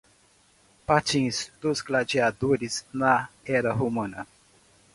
Patins dos gladiadores na era romana